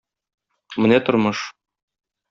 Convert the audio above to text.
Менә тормыш!!